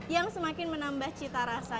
yang semakin menambah cita rasa